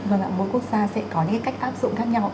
vâng ạ mỗi quốc gia sẽ có những cách áp dụng khác nhau